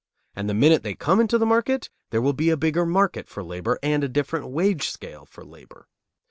And the minute they come into the market there will be a bigger market for labor and a different wage scale for labor.